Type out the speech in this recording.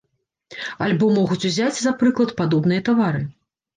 Альбо могуць узяць за прыклад падобныя тавары.